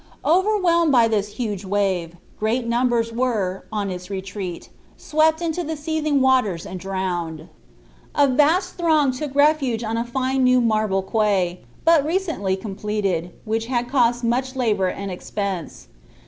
Overwhelmed by this huge wave, great numbers were, on its retreat, swept into the seething waters and drowned. A vast throng took refuge on a fine new marble quay, but recently completed, which had cost much labor and expense.